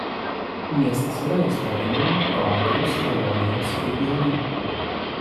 Miestas yra istoriniame Kroatijos Slavonijos regione.